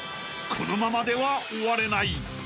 このままでは終われない］